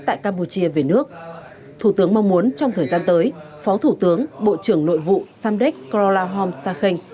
tại campuchia về nước thủ tướng mong muốn trong thời gian tới phó thủ tướng bộ trưởng nội vụ sandek klorahom sakhen